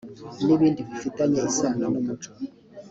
n ibindi bifitanye isano n umuco